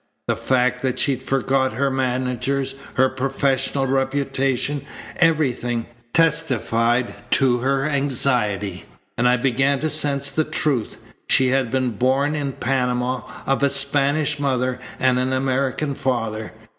The fact that she forgot her managers, her professional reputation, everything, testified to her anxiety, and I began to sense the truth. She had been born in Panama of a Spanish mother and an American father.